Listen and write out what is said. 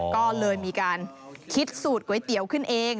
ก็เลยมีการคิดสูตรก๋วยเตี๋ยวขึ้นเอง